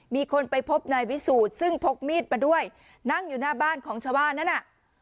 มีคนไปพบนายวิสูจน์ซึ่งพกมีดมาด้วยนั่งอยู่หน้าบ้านของชาวบ้านนั้นน่ะ